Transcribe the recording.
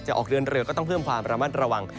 ออกเดินเรือก็ต้องเพิ่มความระมัดระวัง